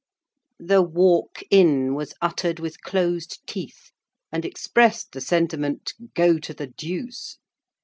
The "walk in" was uttered with closed teeth, and expressed the sentiment, "Go to the Deuce!"